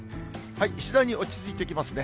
次第に落ち着いてきますね。